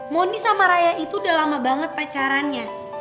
mondi sama rayek itu udah lama banget pacarannya